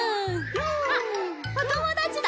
あっおともだちだ。